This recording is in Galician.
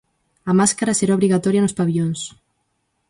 A máscara será obrigatoria nos pavillóns.